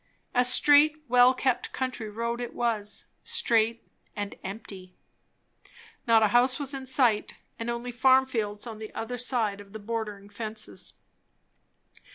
A straight, well kept country road it was, straight and empty. Not a house was in sight, and only farm fields on the other side of the bordering fences.